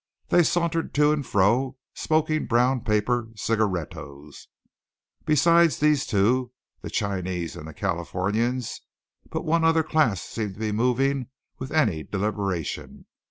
They sauntered to and fro smoking brown paper cigarettos. Beside these two, the Chinese and the Californians, but one other class seemed to be moving with any deliberation.